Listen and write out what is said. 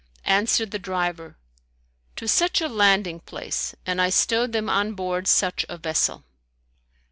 Answered the driver, "To such a landing place, and I stowed them on board such a vessel."